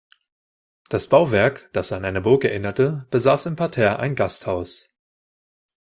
Das Bauwerk, das an eine Burg erinnerte, besaß im Parterre ein Gasthaus.